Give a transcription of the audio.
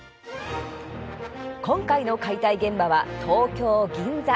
今回の解体現場は東京・銀座。